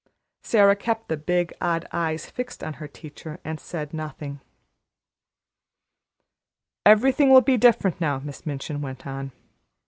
Sara kept the big odd eyes fixed on her teacher and said nothing. "Everything will be very different now," Miss Minchin went on.